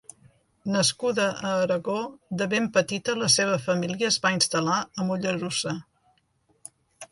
Nascuda a Aragó, de ben petita la seva família es va instal·lar a Mollerussa.